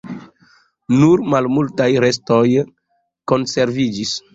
Nur malmultaj restoj konserviĝis.